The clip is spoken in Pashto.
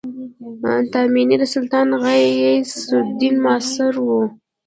تایمنى د سلطان غیاث الدین معاصر وو.